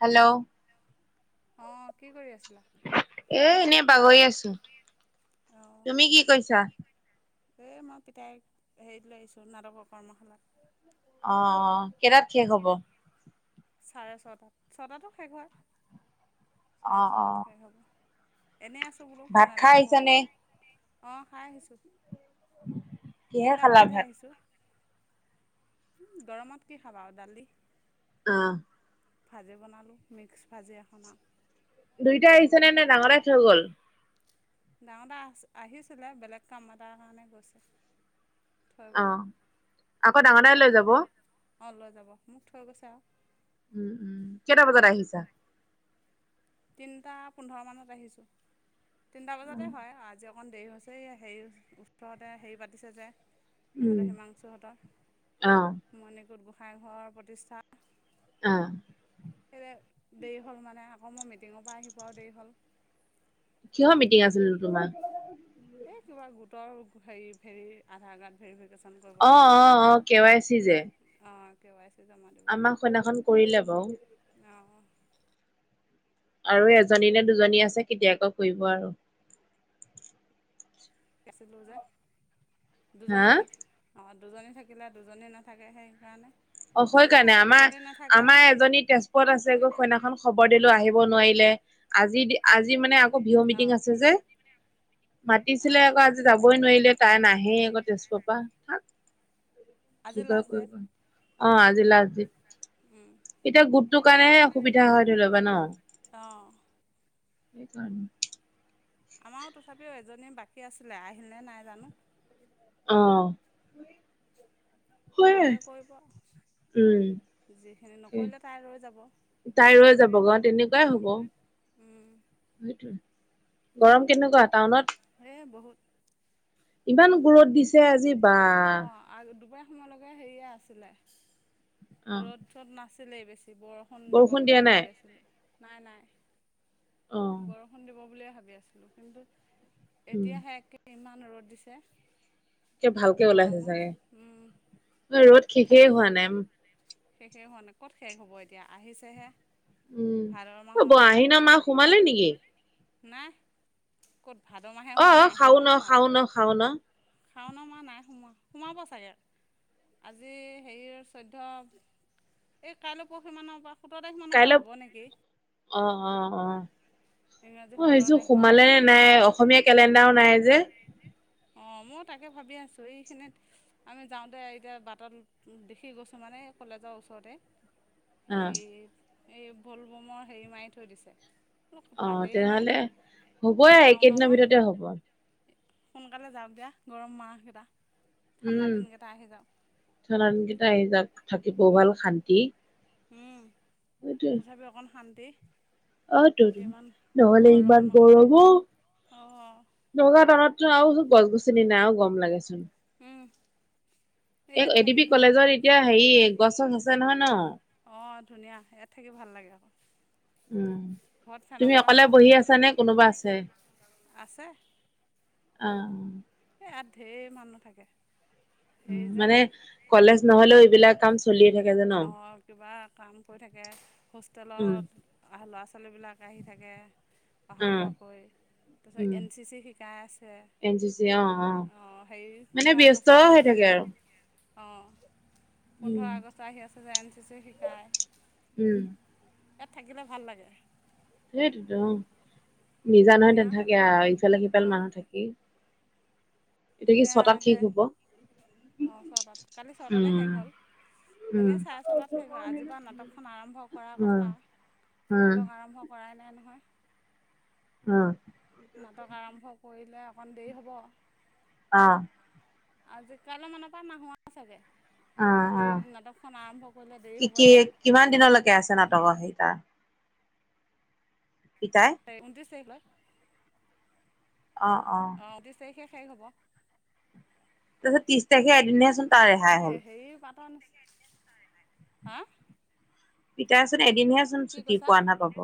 Hello. অ' কি কৰি আছিলা? এ, এনে বাগৰি আছো। অঁ তুমি কি কৈছা? এই মই পিতাই হেৰিত লৈ আহিছো। নাটকৰ কৰ্মশালাত। অ', অ' কেইটাত শেষ হব? চাৰে ছটাত। ছটাতো শেষ হয় অ চাৰে অ ছটাত শেষ হ'ব। এনেই আছো বোলো ভাত ফোন খাই এটাকে আহিছ কৰো। নে অ' খাই আহিছো। কিহে তিনিটা খালা বজাতহে ভাত আহিছো। উম গৰমত কি খাবা আৰু দালি। অ'। ভাজি বনালো মিক্স ভাজি এখন আৰু। দুইটাই আহিছে নে, নে ডাঙৰ ডাই থৈ গ'ল। ডাঙৰডা আহিছিলে। বেলেগ কাম এটাৰ কাৰণে গৈছে। থৈ বোলে অ' আকৌ ডাঙৰ দাই লৈ যাব? অ' লৈ যাব মোক থৈ গৈছে আৰু। উম উম। কেইটা বজাত আহিছা? তিনটা পোন্ধৰ মানত আহিছো। তিনটা বজাতে হয় আজি অকণ দেৰি হৈছে এয়া হেৰি ওচৰতে হেৰি পাতিছে যে। উম সিহঁতৰ অ হিমাংশুহতৰ মণিকোট গোসাইইঘৰৰ প্ৰতিষ্ঠাত অ'। সে দেৰি হ'ল মানে, আকৌ মই মিটিঙৰ পৰা আহি পোৱাও দেৰি হ'ল। কিহৰ মিটিং আছিলনো তোমাৰ? এই কিবা গোটৰ হেৰি ভেৰি আধাৰ কাৰ্ড ভেৰিফিকেশন। অ', অ' অ' কে ৱাই চি যে? অ', কে ৱাই চি জমা দিব। সৈদিনাখন কৰিলে বাৰু। অ', অ'। আৰু এজনী নে দুজনী আছে কেতিয়াকৌ কৰিব আৰু। ছিলো যে দুজনী হা চাগে। অ দুজনী থাকিলে দুজনী নাথাকে সেইকাৰণে অ', সেই দুজনী কাৰণে থাকে আমাৰ দুজনী নাথাকে আমাৰ এজনী তেজপুৰত আছে গৈ সইনাখন খবৰ দিলো আহিব নোৱাৰিলে, আজি আজি মানে আকৌ বিহু মিটিং অঁ আছে যে মাতিছিলে অঁ আকৌ আজি যাবই নোৱাৰিলে, তাই নাহেই আকৌ তেজপুৰৰ পৰা হা। কি আজি ক লাষ্ট ডেট কৰিব অ' আজি লাজ দেত। উম। এতিয়া গোটটো কাৰণেহে অসুবিধা হয় ধৰি লবা ন'। অ'। সেইকাৰণে। আমাৰো তথাপিও এজনী বাকী আছিলে আহিলে নাই জানো? অ'। হয় কৰিলে কৰিব। উম যিখিনি নকৰিলে তাই ৰৈ যাব তাই ৰৈ যাব গ উম। উম। সেইটোয়ে গৰম কেনেকুৱা টাউনত? এই বহুত। ইমান [inaudible] ৰত দিছে আজি বা। অঁ আৰু দুবাৰ সময়লৈকে হেৰিয়ে আছিলে। [inaudible] অ ৰ'দ-চ'দ নাছিলেই বেছি। বৰষুণ দিব দিয়া বুলিয়ে নাই ভাবি আছিলো। [inaudible] নাই-নাই। অ বৰষুণ দিব বুলিয়ে ভাবি আছিলো কিন্তু [inaudible] উম এতিয়াহে একে ইমান ৰ'দ দিছে কে ভালকে ওলাইছে চাগে গৰমত। উম! [unintelligible] ৰ'দ থাক শেষেই হোৱা নাই। [inaudible] [unintelligible] শেষেই হোৱা নাই ক'ত শেষ হ'ব এতিয়া আহিছেহে। উম ভাদ অ ব মাহত। আহিন মাহ সোমালে নেকি [inaudible] নাই। ক'ত ভাদ মাহে হোৱা নাই, আহিনৰ মাহ সোমাব। [inaudible] শাওণ না [unintelligible] শাওণৰ মাহ নাই সোমোৱা সোমাব চাগৈ আৰু। [inaudible] আজি হেৰিৰ চৈধ্য [unintelligible] এই কাইলৈ, পৰহি মানৰ পৰা সোতৰ তাৰিখমানৰ পৰা হ'ব নেকি। [unintelligible] অঁ-অঁ-অঁ। [unintelligible] ইংৰাজী মই সোতৰ ভাবিছোঁ তাৰিখ মানৰ সোমালে পৰা নে নাই? অসমীয়া কেলেণ্ডাৰ নাই যে। [unintelligible] অঁ! মইও তাকে ভাবি আছো। এইখিনিত [inaudible] আমি যাওঁতে এতিয়া বাটত দেখি গৈছোঁ মানে কলেজৰ ওচৰতে। [inaudible] অ হেৰি এই ভলবমৰ হেৰি মাৰি থৈ দিছে। [inaudible] বোলো অ সোমালেই নে তেনেহলে হ'বই শাওণৰ এইকেইদিনৰ মাহ। ভিতৰতে হ'ব [inaudible] সোনকালে যাওক দিয়া গৰম মাহকেইটা। [inaudible] ঠাণ্ডা উম! দিনকেইটা আহি যাওক [inaudible] কেইটা আহি যাওক থাকি [unintelligible] ভাল শান্তি। উম! [inaudible] সেইটোৱে [unintelligible] তথাপিও অকণ শান্তি। [inaudible] অঁ! তোণ ইমান নহ'লে গৰম ইমান নহ'লে গৰম অউ [unintelligible] নগাঁও টাউনতো আৰু গছ-গছনি নাই আৰু গৰম লাগে চোন। [unintelligible] উম। [inaudible] এই এটিবি কলেজত এতিয়া হেৰি গছ-চছ আছে নহয় ন? [inaudible] অঁ! ধুনীয়া ইয়াত থাকি ভাল লাগে আকৌ। [inaudible] উম! ঘৰত ফেনৰ তুমি অকলে বতাহতো বহি থাকিব আছা নে কোনোবা আছে? [inaudible] আছে অঁ! [inaudible] এইয়াত ঢেৰ মানুহ থাকে। [inaudible] হেৰি যে মানে কলেজ নহলেও এইবিলাক কাম চলিয়েই থাকে যে ন? [unintelligible] অঁ! কিবা কাম [unintelligible] কৰি থাকে, উম, হোষ্টেলত ল'ৰা-ছোৱালীবিলাক আহি থাকে। [inaudible] অহা অ', যোৱা কৰি [inaudible] তাৰপিছত উম, এন চি চি শিকাই আছে। এন চি চি অ', অ', অঁ! হেৰি মানে পোন্ধৰ ব্যস্ত আগষ্ট আহি হৈ আছে থাকে যে। আৰু [unintelligible] অঁ! উম, পোন্ধৰ আগষ্ট আহি আছে যে এন চি চি শিকাই। [unintelligible] উম। [inaudible] ইয়াত থাকিলে ভাল লাগে। [unintelligible] সেইৰিত [unintelligible] অঁ! [unintelligible] নিজান হৈ ধুনীয়া নেথাকে আহ ইফালে-সিফালে অঁ মানুহ থাকেই। [unintelligible] এতিয়া কি ছটাত সি ধুনীয়াকৈ শুব। [unintelligible] অঁ! ছটাত। কালি ছটাতে শেষ উম, হ'ল? [unintelligible] উম, এনেই চাৰে ছয়টাত শেষ হয়। আজি পৰা নাটকখন আৰম্ভ কৰাৰ উম, কথা। [inaudible] উম, নাটক আৰম্ভ কৰাই নাই নহয়। উম নাটক আৰম্ভ কৰিলে অকণ দেৰি হ'ব। আহ‌ ' আজি কালি মানৰ পৰা নাহোও চাগে অ', অ', দেৰি নাটকখন আৰম্ভ কৰোঁতে দেৰি কি হ'ব কি যে। কিমান দিনলৈকে আছে নাটকৰ সেই তাত? পিতাই। এ ঊনত্ৰিশ তাৰিখলৈ অ, অ অ ' ঊনত্ৰিশ তাৰিখে শেষ হব। তাৰপিছত ত্ৰিশ তাৰিখে উম, এদিনহেচোন তাৰ ৰেহাই এ হ'ল হেৰি পাতন হা পিতাই চোন এদিনহে চোন কি ছুটি কৈছা পোৱা নাপাব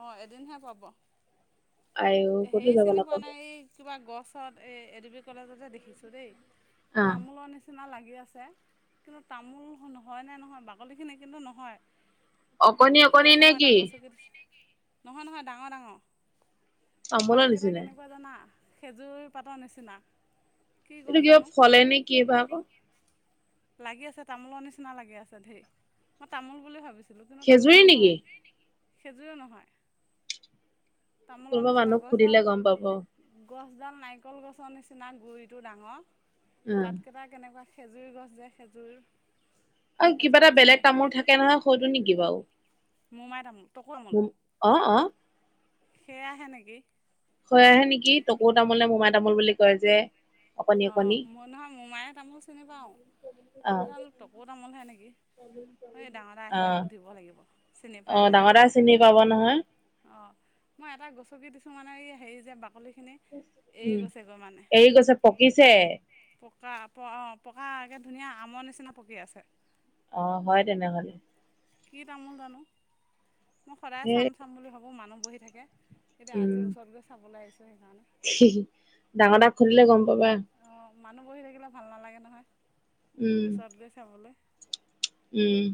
অঁ, এদিনহে পাব। আইও ক'তো হেৰি যাব চিনি পোৱা নাপাব নাই এই কিবা গছত এই এ ডি বি কলেজতে দেখিছোঁ দেই। অ তামোলৰ নিচিনা লাগি আছে। কিন্তু তামোল হয়নে নহয় বাকলিখিনি কিন্তু নহয়। পকি অকণি পকি সৰি অকণি আছে নে মই কি তাক গছকি বগীৰ পুলি নেকি নহয় নহয় ডাঙৰ ডাঙৰ। এই তামোলৰ পাতকেইটা নিচিনাই কেনেকুৱা জানা খেজুৰৰ পাতৰ নিচিনা। কি এইটো গছ কিবা জানো ফলে নে কি বাও আকৌ। লাগি আছে তামোলৰ নিচিনা লাগি আছে ঢেৰ মই তামোল বুলি ভাবিছো। কিন্তু কিন্তু তামোল খেজুৰি নহয় নেকি খেজুয়ে নে খেজুৰও নহয়। তামোলৰ কোনোবা নিচিনা মানুহক গছডাল। সুধিলে গম পাব অ গছডাল নাৰিকল গছৰ নিচিনা গুৰিটো ডাঙৰ পাতকেইটা কেনেকুৱা। খেজুৰ গছ যে খেজুৰ। আৰু কিবা খেজুৰ এটা গছৰ বেলেগ নিচিনা তামোল থাকে নহয় সেইতো নেকি বাও? মোমাই তামোল টকো তমোল অ অ সেয়া হে নেকি। সেয়াহে নেকি টকৌ তামোল নে মোমাই তামোল বুলি কয় যে। অকণি অহ অকণি মই নহয় মোমাই তামোল চিনি পাওঁ অ এডাল টকৌ তামোলহে নেকি। এই ডাঙৰ ডাঙৰ অ খিলা সুধিব লাগিব চিনি অ পায় নে ডাঙৰ নাপায়। দাই চিনি পাব নহয় অ, ' মই এটা গচকি দিছো মানে এই হেৰি যে বাকলি খিনি। উম, এৰি গৈছে পকিছে। কে পকা প অহ পকা আগে ধুনীয়া আমৰ নিচিনা পকি আছে। অ, ' হয় তেনেহলে। কি তামোল জানো মই সদায় সেই চাম চাম বুলি ভাবোঁ মানুহ বহি থাকে। এতিয়া আজি ওচৰত গৈ চাবলৈ আহিছোঁ সেইকাৰণে। হুম ডাঙৰ দাক সুধিলে গম পাবা। অঁ, মানুহ বহি থাকিলে ভাল নালাগে নহয় উম ওচৰত গৈ চাবলৈ। উম,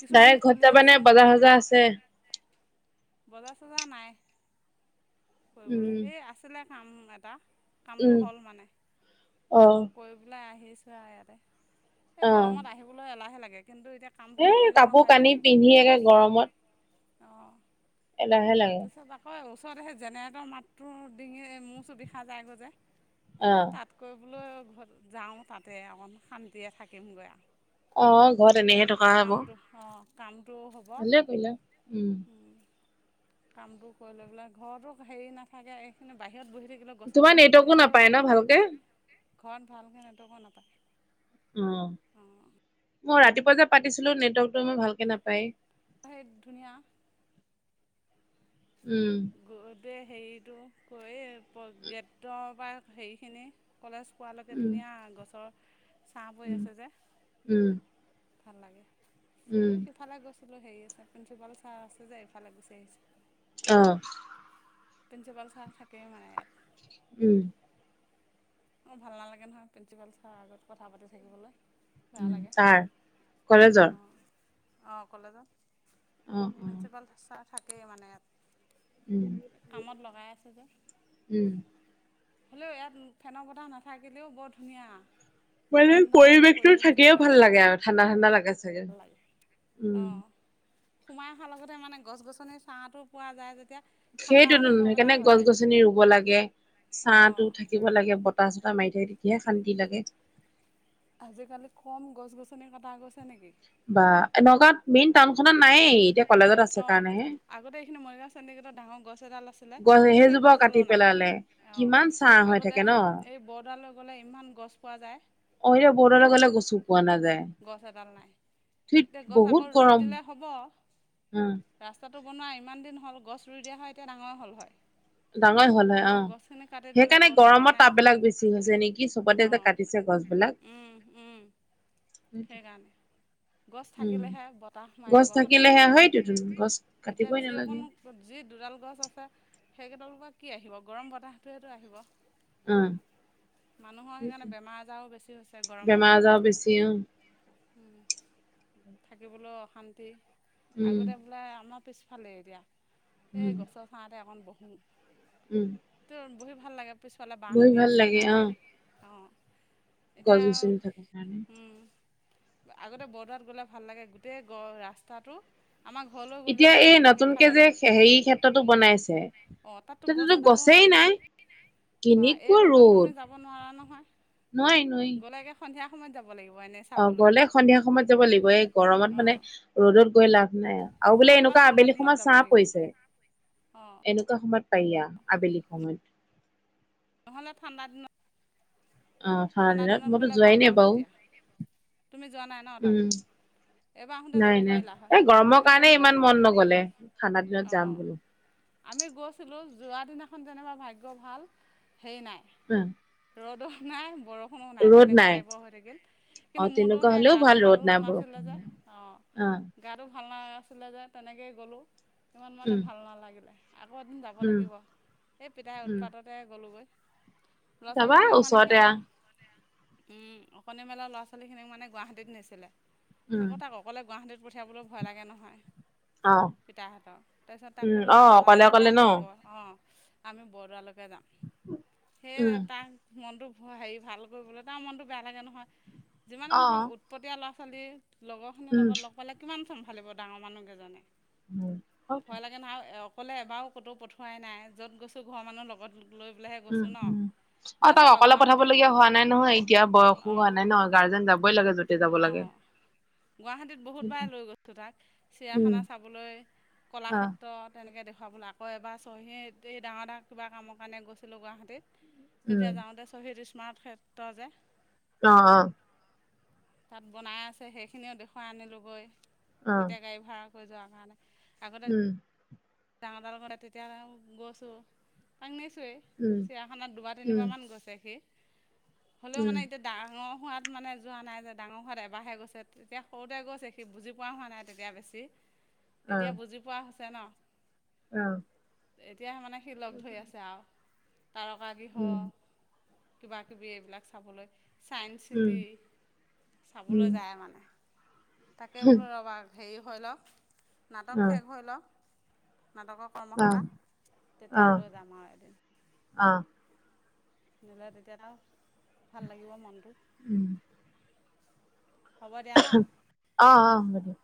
কিছুমান ডাইৰেক্ট ঘৰত ফুলি যাবানে আছে বজাৰ চজাৰ আছে? বজাৰ চজাৰ নাই। কৰিবলৈ উম এই আছিলে কাম এটা। কামটো উম হ'ল মানে অ কৰি পেলাই আহিছোঁ আও ইয়াতে এই অ গৰমত আহিবলৈ এলাহুহে লাগে কিন্তু এতিয়া কামটো এই নকৰিলেও কাপোৰ নহয় কানি পিন্ধি একে গৰমত। অহ। এলাহুহে লাগে। ত আকৌ ওচৰত সেই জেনেৰেটৰ মাতটো ডিঙি মূৰ চো বিষাই যায়গৈ যে অ সেই তাত। কৰিবলৈ ঘৰযাওঁ তাতে অকণ শান্তিয়ে থাকিম গৈ আও। অ ঘৰত এনেহে থকা হয় আকৌ অঁ কামটো হ'ব। উম কামবোৰ কৰি লৈ পেলাই ঘৰতো হেৰি নাথাকে এইখিনি বাহিৰত বহি থাক গছৰ তোমাৰ তলত বহি নেটৱৰ্কো থাকিলেও নাপায় ভাল ন লাগে ভালকে ঘৰত ভালকে নেটৱৰ্কও নাপায় উম অঁ মই ৰাতিপুৱা যে পাতিছিলো নেটৱৰ্কতটো মই ভালকে নাপায় হে ধুনীয়া উম ঘৰতেই হেৰিটো কৰি গেটৰ পৰা হেৰিখিনি কলেজ পোৱালৈকে উম ধুনীয়া গছৰ ছাঁ পৰি উম আছে যে উম ভাল লাগে উম এই সিফালে গৈছিলোঁ হেৰি আছে প্ৰিঞ্চিপাল ছাৰ আছে যে ইফালে গুচি আহিছো অ প্ৰিন্সিপাল ছাৰ থাকেই মানে ইয়াত উম অঁ ভাল নালাগে নহয় প্ৰিঞ্চিপাল ছাৰৰ আগত কথা পাতি থাকিবলৈ বেয়া উ লাগে ছাৰ কলেজৰ অঁ অঁ কলেজত অ', অ', প্ৰিন্সিপাল ছাৰ থাকেই মানে উম, ইয়াত কামত লগাই আছে যে উম। হেল্ল ইয়াত ফেনৰ বতাহ নাথাকিলেও বৰ ধুনীয়া পৰিৱেশ ঠাণ্ডা যে পৰিৱেশটো থাকিয়ে কিবা এটা ভাল থাকি লাগে আৰু ঠাণ্ডা ঠাণ্ডা লাগে চাগে। ভাল লাগে অ উম। সোমাই অহাৰ লগতে মানে গছ গছনি ছাঁটো পোৱা যায় যেতিয়া ঠাণ্ডা সেইটোতো অনুভৱ এটা সেইকাৰণে হৈ গছ যায়গৈ গছনি ৰুব লাগে অঁ ছাটো থাকিব লাগে বত বতাহ চতাহ মাৰি থাকে তেতিয়াহে শান্তি লাগে আজিকালি কম গছ গছনি কটা গৈছে নেকি বা নগাঁৱত মেইন টাউন খনত নায়েই এতিয়া কলেজত আছে অঁ কাৰণে হে আগতে এইখিনি মৰিগাঁও চণ্ডীগেটত ডাঙৰ গছ এডাল আছিলে গছ সেই সেইজোপাও কাটি গছডালো নাই পেলালে অঁ কিমান ছাঁ হৈ আগতে থাকে ন। এই বৰদালে গ'লে ইমান গছ পোৱা যায় অ', এতিয়া বৰ্ডলৈ গছ গ'লে গছো পোৱা নাযায়। গছ এডাল নাই ধুইত এতিয়া গছ বহুত আকৌ ৰুই গৰম দিলে হ'ব অ', ৰাস্তাটো বনোৱা ইমান দিন হ'ল গছ ৰুই দিয়া হয় এতিয়া ডাঙৰ হ'ল হয় ডাঙৰ হল হয় কিন্তু অ গছখিনি কাটি দিলে সেইকাৰণে গছ ৰোৱা গৰমত নাই তাপ যে বিলাক বেছি হৈছে নেকি চবতে যে অঁ কাটিছে গছবিলাক উম উম [unintelligible] সেইকাৰণে গছ উম, থাকিলেহে বতাহ গছ মাৰিব হয়নে থাকিলেহে হয়তোতো নহয়, গছ এতিয়া কাটিবই যি নালাগে। অকণ যি দুডাল গছ আছে সেইকেইডালৰ পৰা কি আহিব গৰম বতাহটোৱেতো আহিব অ', মানুহৰ সেইকাৰণে বেমাৰ আজাৰো বেছি হৈছে গৰমত যা বছি তিয়হ থাকিবলৈ অশান্তি উম, আগতে বোলে আমাৰ পিছফালে এতিয়া উম, এই গছৰ ছাঁতে অকণ বহোঁ উম ত বহি ভাল লাগে পিছফালে গৈ বাঁহখিনি ভাল আছে লাগে অ', কাৰণে অঁ গছ এতিয়া গছনি থকাৰ কাৰণে। উম আগতে বৰদোৱাত গ'লে ভাল লাগে গোটেই গ ৰাস্তাটো আমাক ঘৰলও এতিয়া এই নতুনকে যে হেৰি ক্ষেত্ৰতো বনাইছে অ তাততো গছ তাতেতো এডালো গছেই নাই বা এই কেনেকুৱা ৰ'দত তুমি ৰ'দ যাব নোৱাৰা নহয় নোৱাৰি নোৱাৰি লাগে সন্ধিয়া সময়ত যাব লাগিব এনেচ অ গ'লে সন্ধিয়া সময়ত যাব লাগিব এই গৰমত মানে অঁ ৰ'দত গৈ লাভ নাই আৰু বোলে নহ'লে বা এনেকুৱা ঠাণ্ডা আবেলি দিনত সময়ত যাব ছাহ লাগিব অঁ তেনেকুৱা সময়ত পাৰি য়া আবেলি সময়ত নহ'লে ঠাণ্ডা দিনত অ ঠাণ্ডা দিনত মইতো গ'লে যোৱাই ভাল নাই আৰু বাৰু তেতিয়া তুমি যোৱা নাই ন তাত? উম এবাৰ আহোতে নাই যাব নাই পাৰিলা হয়, এই গৰমৰ আমি কাৰণে গ'লোঁ ইমান এদিন মন নগলে ঠাণ্ডা দিনত যাম অঁ বোলো আমি গৈছিলোঁ যোৱা দিনাখন যেনিবা ভাগ্য ভাল সেই নাই। [unintelligible] ৰ'দো নাই বৰষুণো নাই, তেনেকুৱা টাইপৰ হৈ থাকে অ কিন্তু মোৰতো তেনেকুৱা সেই হলেও গাটো ভাল ৰ'দ নাই নাছিলে বৰষুণ যে নাই অ গাটো ভাল নাছিলে যে তেনেকেই গ'লোঁ সিমান মানে উম ভাল নালাগিলে আকৌ এদিন যাব উম লাগিব এই পিতাই উম উৎপাততে গ'লোগৈ ল'ৰা যাবা ছোৱালীখিনিক মানে ওচৰতে আ সিহঁতে উম অকণি মেলা ল'ৰা ছোৱালীখিনিক মানে গুৱাহাটীত নিছিলে উম আকৌ তাক অকলে গুৱাহাটীত পঠিয়াবলেও ভয় লাগে নহয় অ পিতাহঁতৰ তাৰপিছত তাক উম ক'লো অ যাব অকলে নালাগে দিয়া অকলে ন আমি ব অঁ আমি বৰদোৱালৈকে যাাম উম সেয়ে তাক মনটো হেৰি ভাল কৰিবলৈ তাৰ মনটো বেয়া লাগে নহয় যিমানে অ নহওক উৎপটীয়া ল'ৰা ছোৱালী লগৰখিনি উম লগত লগ পালে কিমান চম্ভালিব ডাঙৰ মানুহ কেইজনে উম ভয় লাগে নহয় অকলে এবাৰো ক'তো পঠোৱাই নাই য'ত গৈছো ঘৰৰ মানুহৰ লগত লৈ পেলাইহে উম গৈছোঁ ন উম অ গৈছে তাক বাৰু অকলে গুৱাহাটীত পঠাবলগীয়া হোৱা নাই ন নহয় এতিয়া বয়সো হোৱা নাই ন অঁ গাৰ্জেন যাবই লাগে য'তে যাব লাগে অঁ গুৱাহাটীত বহুতবাৰে লৈ গৈছোঁ তাক উম চিৰিয়াখানা চাবলৈ অ কলাক্ষেত্ৰত তেনেকৈ দেখুৱাবলৈ আকৌ এবাৰ চহী এই ডাঙৰ ডাঙৰ কিবা কামৰ কাৰণে গৈছিলোঁ গুৱাহাটীত তেতিয়া যাওঁতে শ্বহীদ স্মাৰ্ট ক্ষেত্ৰ যে অ অ তাত বনাই আছে সেইখিনিও দেখুৱাই আনিলোগৈ তেতিয়া গাড়ী ভাড়া হৈ যোৱাৰ কাৰণে আগ উম ডাঙৰ বা লগত তেতিয়া গৈছোঁ তাক নিছোঁৱেই চিৰিয়াখানাত দুবাৰ তিনিবাৰ মান গৈছে সি হ'লেও মানে এতিয়া ডাঙৰ সোৱাদ মানে যোৱা নাই যে ডাঙৰ সোৱাদ এবাৰহে গৈছে তেতিয়া সৰুতে গৈছে সি বুজি পোৱা হোৱা নাই তেতিয়া বেছি এতিয়া বুজি পোৱা হৈছে ন অ এতিয়াে মানে সি লগ ধৰি আছে আও তাৰকা গৃহ কিবা কিবি এইবিলাক চাবলৈ ছায়ন্স চিটি চাবলৈ যায় মানে তাকে বোলো ৰ'বা হেৰি হৈ লওক নাটক শেষ হৈ লওক নাটকৰ কৰ্মশালা তেতিয়া লৈ যাম আৰু এদিন অ নিলে তেতিয়াত আও ভাল লাগিব মনটো। উম। হ'ব দিয়া ন অ অ হব দিয়ক।